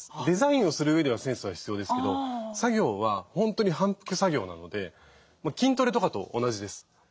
デザインをするうえではセンスは必要ですけど作業は本当に反復作業なので筋トレとかと同じです。